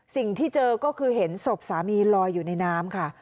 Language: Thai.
สิ่งที่เจอก็คือเห็นศพสามีลอยอยู่ในน้ำค่ะ